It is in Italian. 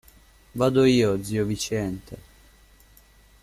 Vado io, zio Viciente.